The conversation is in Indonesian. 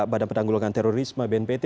badan penanggulangan terorisme bnpt